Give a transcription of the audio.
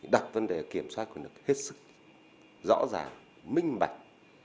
đặt vấn đề kiểm soát quyền lực hết sức rõ ràng minh bạch